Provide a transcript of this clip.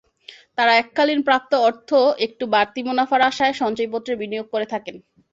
তাঁরা এককালীন প্রাপ্ত অর্থ একটু বাড়তি মুনাফার আশায় সঞ্চয়পত্রে বিনিয়োগ করে থাকেন।